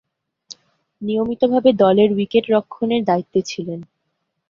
নিয়মিতভাবে দলের উইকেট-রক্ষণের দায়িত্বে ছিলেন।